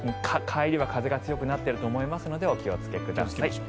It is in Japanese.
帰りは風が強くなっていると思いますのでお気をつけください。